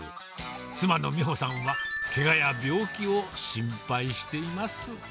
妻の三穂さんは、けがや病気を心配しています。